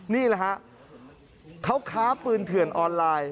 นี่แหละฮะเขาค้าปืนเถื่อนออนไลน์